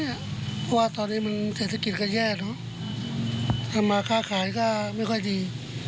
เพราะว่าตอนนี้มันเศรษฐกิจก็แย่เนอะทำมาค่าขายก็ไม่ค่อยดี